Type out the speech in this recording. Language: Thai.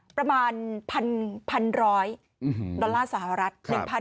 ประมาณ๑๐๐ดอลลาร์สหรัฐ